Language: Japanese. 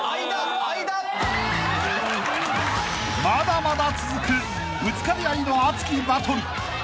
［まだまだ続くぶつかり合いの熱きバトル］